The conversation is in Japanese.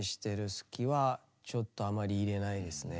「好き」はちょっとあまり入れないですね。